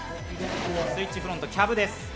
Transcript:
スイッチフロント、キャブです。